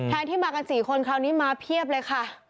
ที่มากัน๔คนคราวนี้มาเพียบเลยค่ะ